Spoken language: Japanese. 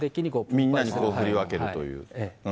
みんなに振り分けるという。